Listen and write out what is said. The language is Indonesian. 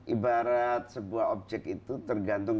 ibarat sebuah objek itu tergantung